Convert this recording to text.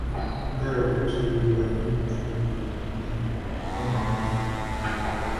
indangagaciro ziranga umuco nyarwanda ni nk amahame